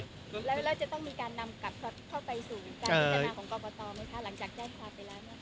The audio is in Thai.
แล้วจะต้องมีการนำกลับเข้าไปสู่การพิจารณาของกรกตไหมคะหลังจากแจ้งความไปแล้วเนี่ย